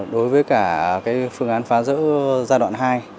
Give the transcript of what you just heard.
đối với cả phương án phá rỡ giai đoạn hai